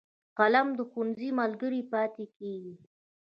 قلم د ښوونځي ملګری پاتې کېږي